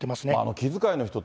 気遣いの人って。